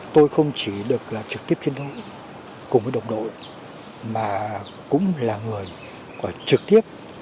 tôi không chỉ được là trực tiếp chiến đấu cùng với đồng đội mà cũng là người trực tiếp